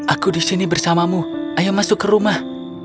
aku disini bersamamu ayo masuk ke rumah